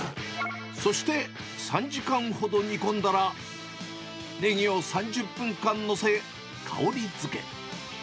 そして、３時間ほど煮込んだら、ねぎを３０分間載せ、香りづけ。